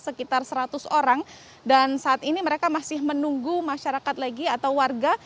sekitar seratus orang dan saat ini mereka masih menunggu masyarakat lagi atau warga